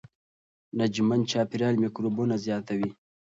نمجن چاپېریال میکروبونه زیاتوي.